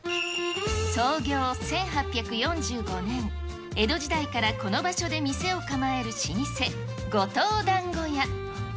創業１８４５年、江戸時代からこの場所で店を構える老舗、後藤だんご屋。